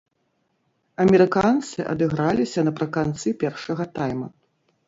Амерыканцы адыграліся напрыканцы першага тайма.